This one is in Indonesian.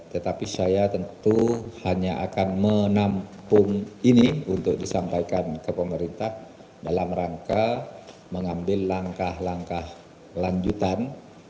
tetapi saya tentu hanya akan menampung ini untuk disampaikan ke pemerintah dalam rangka mengambil langkah langkah lanjutan